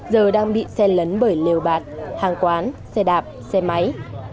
giờ đang bị xe lấn bởi lều bạt hàng quán xe đạp xe máy